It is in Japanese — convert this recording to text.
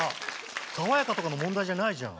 爽やかとかの問題じゃないじゃん。